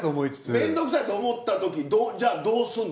めんどくさいと思ったときじゃあどうすんの？